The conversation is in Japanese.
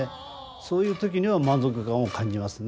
そういう時には満足感を感じますね。